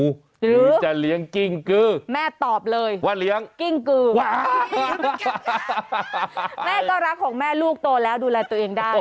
หรือจะเลี้ยงกิ้งกื้อว่าเลี้ยงกิ้งกื้อแม่ตอบเลยแม่ก็รักของแม่ลูกโตแล้วดูแลตัวเองได้